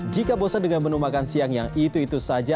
jika bosan dengan menu makan siang yang itu itu saja